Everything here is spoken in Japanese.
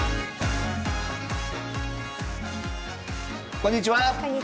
こんにちは。